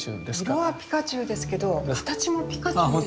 色はピカチュウですけど形もピカチュウですよ！